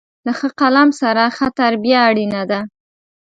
له ښه قلم سره، ښه تربیه اړینه ده.